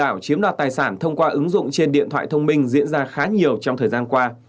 lừa đảo chiếm đoạt tài sản thông qua ứng dụng trên điện thoại thông minh diễn ra khá nhiều trong thời gian qua